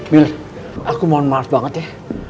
bill aku mohon maaf banget ya